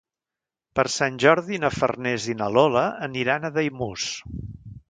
Per Sant Jordi na Farners i na Lola aniran a Daimús.